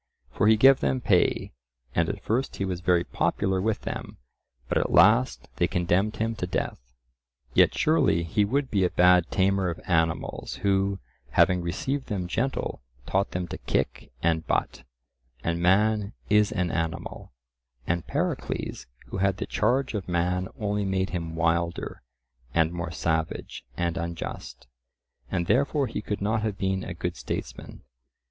For he gave them pay, and at first he was very popular with them, but at last they condemned him to death. Yet surely he would be a bad tamer of animals who, having received them gentle, taught them to kick and butt, and man is an animal; and Pericles who had the charge of man only made him wilder, and more savage and unjust, and therefore he could not have been a good statesman.